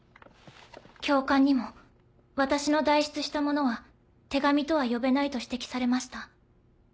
教官にも私の代筆したものは手紙とは呼べないと指摘されました。